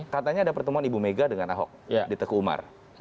katanya ada pertemuan ibu mega dengan ahok di teguh umar